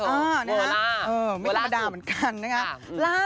เรียนเวลาไม่ธรรมดาเหมือนกันนะฮะ